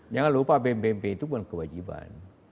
jangan lupa bmp itu bukan kewajiban